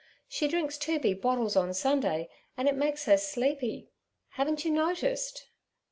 She drinks two big bottles on Sunday, and it makes her sleepy. Haven't you noticed?'